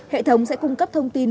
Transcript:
hệ thống sẽ cung cấp thông tin